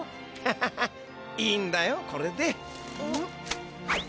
ハハハいいんだよこれで。